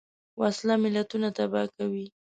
وسله ملتونه تباه کوي